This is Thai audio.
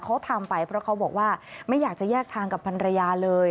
เขาทำไปเพราะเขาบอกว่าไม่อยากจะแยกทางกับพันรยาเลย